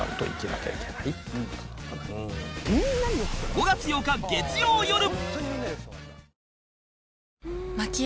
５月８日月曜よる